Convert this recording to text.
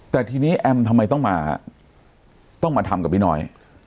แต่ทีนี้แอมทำไมต้องมาต้องมาทำกับพี่น้อย